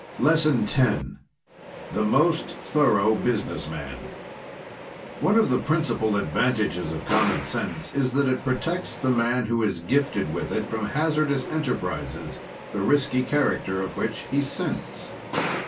LESSON X THE MOST THOROUGH BUSINESS MAN One of the principle advantages of common sense is that it protects the man who is gifted with it from hazardous enterprises, the risky character of which he scents.